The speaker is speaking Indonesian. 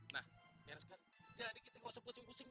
nah sekarang jadi kita gak usah pusing pusing